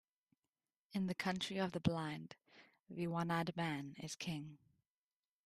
In the country of the blind, the one-eyed man is king.